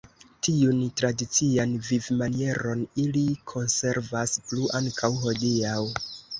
Tiun tradician vivmanieron ili konservas plu ankaŭ hodiaŭ.